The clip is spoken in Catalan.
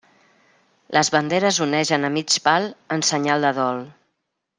Les banderes onegen a mig pal en senyal de dol.